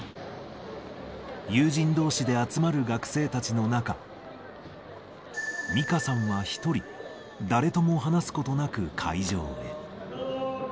友人どうしで集まる学生たちの中、ミカさんは一人、誰とも話すことなく会場へ。